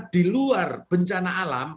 di luar bencana alam